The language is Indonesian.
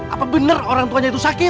apa benar orang tuanya itu sakit